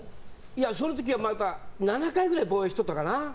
その時は７回くらい防衛してたかな。